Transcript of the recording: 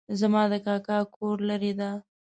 زما د کاکا کور لرې ده